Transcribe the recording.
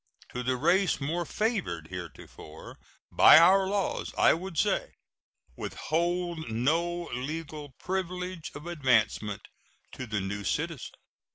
To the race more favored heretofore by our laws I would say, Withhold no legal privilege of advancement to the new citizen.